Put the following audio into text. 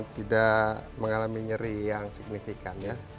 tidak mengalami nyeri yang signifikan ya